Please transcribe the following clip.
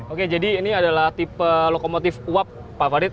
oke jadi ini adalah tipe lokomotif uap favorit